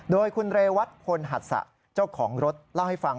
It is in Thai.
โดยคุณเรวัตพลหัสสะเจ้าของรถเล่าให้ฟัง